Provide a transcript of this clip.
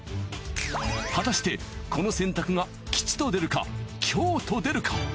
果たしてこの選択が吉と出るか凶と出るか！？